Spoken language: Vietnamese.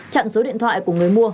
chặn số điện thoại của người mua